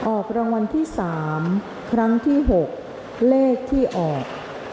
ออกรางวัลที่๓ครั้งที่๖เลขที่ออก๘๔๕๕๓๘๘๔๕๕๓๘